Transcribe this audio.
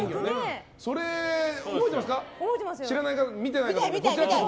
それ覚えてますか？